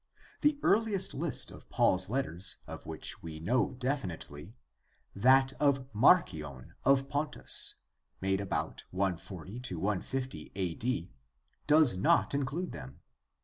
The earliest list of Paul's letters of which we know definitely, that of Marcion of Pontus, made about 140 50 a.d., does not include them.